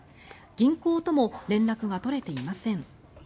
銀行とも連絡が取れていません。